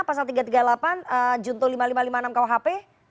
pasal tiga ratus tiga puluh delapan junto lima ribu lima ratus lima puluh enam kuhp